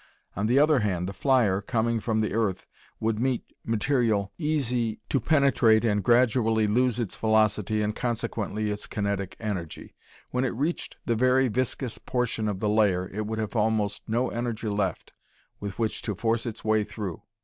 On the other hand the flyer, coming from the earth, would meet material easy to penetrate and gradually lose its velocity and consequently its kinetic energy. When it reached the very viscous portion of the layer, it would have almost no energy left with which to force its way through.